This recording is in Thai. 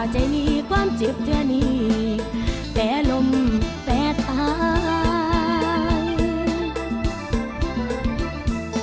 ใจมีความเจ็บเธอนี่แต่ลมแต่ตาย